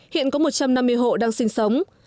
hiện có một trăm năm mươi hộ đang sinh sống